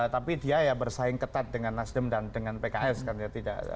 tapi dia ya bersaing ketat dengan nasdem dan dengan pks kan ya